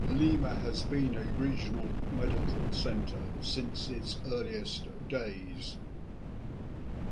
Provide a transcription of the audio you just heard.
Lima has been a regional medical center since its earliest days.